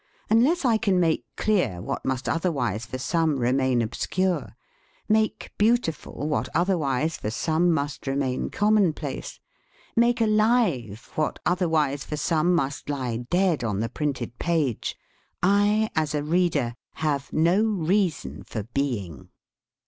Unless I can make clear what must otherwise for some remain obscure, make beautiful what otherwise for some must remain commonplace, make alive what other wise for some must lie dead on the printed page, I, as a reader, have no reason for being.